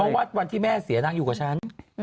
เพราะว่าวันที่แม่เสียนางอยู่กับฉัน